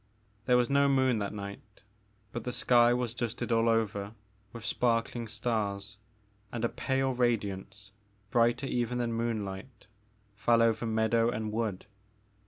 There was no moon that night but the sky was dusted all over with sparkling stars and a pale radiance, brighter even than moonlight, fell over meadow and wood.